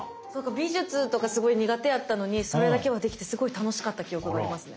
美術とかすごい苦手やったのにそれだけはできてすごい楽しかった記憶がありますね。